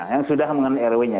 yang sudah mengenal rwnya